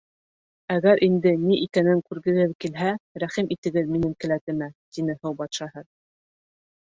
Әгәр инде ни икәнен күргегеҙ килһә, рәхим итегеҙ минең келәтемә! - тине һыу батшаһы.